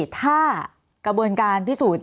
ถ้ากระบวนการที่สุด